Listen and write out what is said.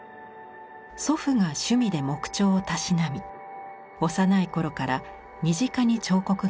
祖父が趣味で木彫をたしなみ幼い頃から身近に彫刻がありました。